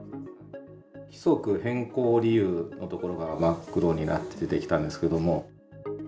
規則変更理由というところが真っ黒になって出てきたんですけれども。